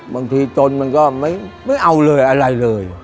บางทีจนมันก็ไม่เอาอะไรเลย